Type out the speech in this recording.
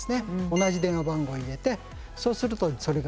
同じ電話番号を入れてそうするとそれが聞ける。